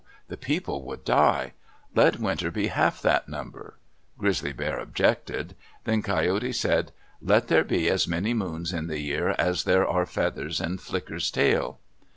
The people would die. Let winter be half that number." Grizzly Bear objected. Then Coyote said, "Let there be as many moons in the year as there are feathers in Flicker's tail."